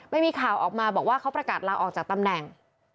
มันมีข่าวออกมาบอกว่าเขาประกาศลาออกจากตำแหน่ง